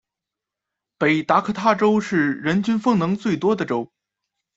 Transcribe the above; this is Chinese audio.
北达科他州是人均风能最多的州。